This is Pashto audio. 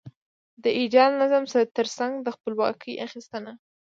د ایډیال نظام ترڅنګ د خپلواکۍ اخیستنه.